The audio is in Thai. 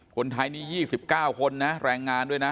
คนไทยนี่๒๙คนนะแรงงานด้วยนะ